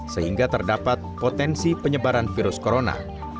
sehingga terdapat potensi penyebaran virus corona